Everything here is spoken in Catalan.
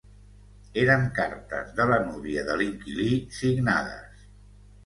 Eren cartes de la núvia de l'inquilí, signades.